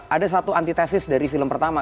ada satu antitesis dari film pertama